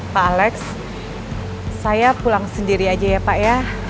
pak alex saya pulang sendiri aja ya pak ya